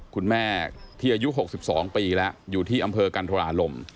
คุณแม่ที่อายุ๖๒ปีแล้วอยู่ที่อำเภอกันธุราลม